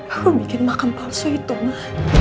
aku bikin makam palsu itu ma